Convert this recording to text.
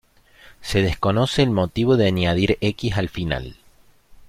Se desconoce el motivo de añadir x al final.